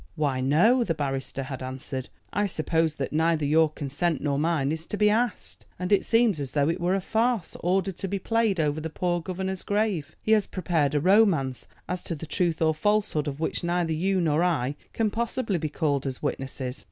"Why, no," the barrister had answered, "I suppose that neither your consent nor mine is to be asked; and it seems as though it were a farce ordered to be played over the poor governor's grave. He has prepared a romance, as to the truth or falsehood of which neither you nor I can possibly be called as witnesses."